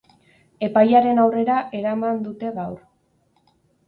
Epailearen aurrera eraman dute gaur.